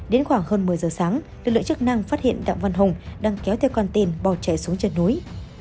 đến khoảng hơn một mươi giờ sáng lực lượng chức năng phát hiện đạm văn hùng đang kéo theo con tên bò chạy xuống chân núi